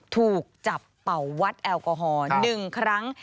ถูกจับเป่าวัดแอลกอฮอล์๑ครั้ง